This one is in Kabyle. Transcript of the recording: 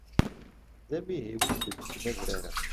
D amihi wi ilebsen adrar-a.